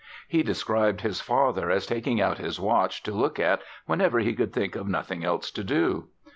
He described his father as taking out his watch to look at whenever he could think of nothing else to do.